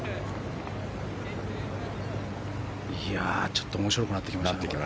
ちょっと面白くなってきましたね。